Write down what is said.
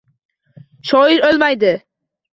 Shoir o’lmaydi.